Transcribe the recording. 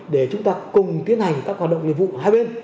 để chúng ta cùng tiến hành các hoạt động nghiệp vụ hai bên